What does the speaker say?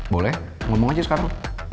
boleh ngomong aja sekarang